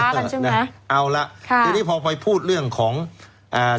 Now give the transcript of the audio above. ชอบพ้ากันใช่ไหมเอาล่ะค่ะตอนนี้พอไปพูดเรื่องของอ่า